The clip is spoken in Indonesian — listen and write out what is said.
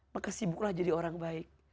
maka sibuklah jadi orang baik